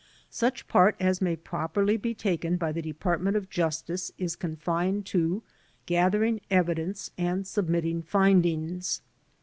Such part as may properly be taken by the Department of Justice is confined to gathering evidence and submitting findings.